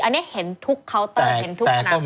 อันนี้เห็นทุกเคาน์เตอร์เห็นทุกสนาม